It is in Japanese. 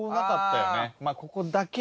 ここだけ。